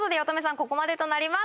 ここまでとなります。